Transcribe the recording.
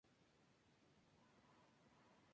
La prioridad de Leopold era descansar su pierna.